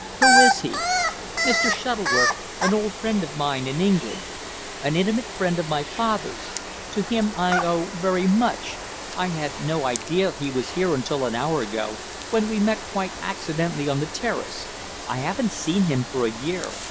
Who is he?" "Mr. Shuttleworth an old friend of mine in England. An intimate friend of my father's. To him, I owe very much. I had no idea he was here until an hour ago, when we met quite accidentally on the terrace. I haven't seen him for a year.